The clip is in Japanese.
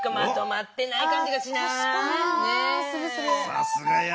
さすがや。